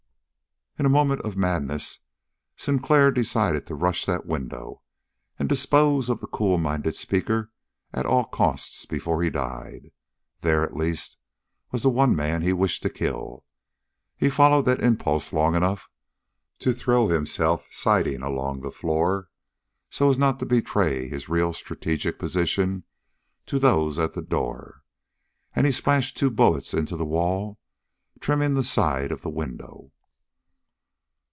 In a moment of madness Sinclair decided to rush that window and dispose of the cool minded speaker at all costs before he died. There, at least, was the one man he wished to kill. He followed that impulse long enough to throw himself sidling along the floor, so as not to betray his real strategic position to those at the door, and he splashed two bullets into the wall, trimming the side of the window.